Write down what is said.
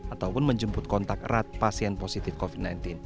ataupun menjemput kontak erat pasien positif covid sembilan belas